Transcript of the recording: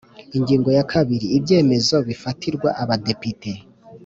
Ingingo ya kabiri Ibyemezo bifatirwa Abadepite